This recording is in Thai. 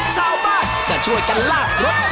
ชาวบ้านก็ช่วยกันลากรถ